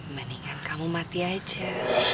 mendingan kamu mati aja